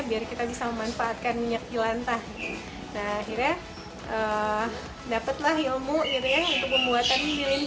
biar kita bisa memanfaatkan minyak jelantah akhirnya dapatlah ilmu untuk pembuatan lilin